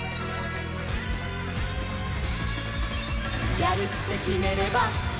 「やるってきめれば」